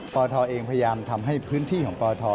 ปทเองพยายามทำให้พื้นที่ของปท